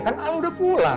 kan kamu udah pulang